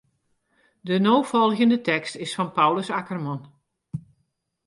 De no folgjende tekst is fan Paulus Akkerman.